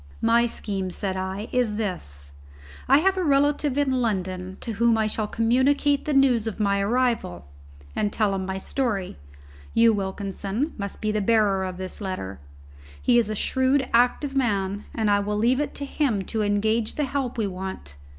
"My scheme," said I, "is this: I have a relative in London to whom I shall communicate the news of my arrival and tell him my story. You, Wilkinson must be the bearer of this letter. He is a shrewd, active man, and I will leave it to him to engage the help we want.